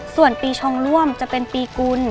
ส่วนปีชงร่วมจะเป็นปีกุล